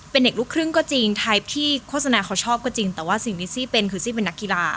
เป็นเด็กลูกครึ่งก็จริงไทยพี่โฆษณาเขาชอบก็จริงแต่ว่าสิ่งนิซี่เป็นคือซี่เป็นนักกีฬา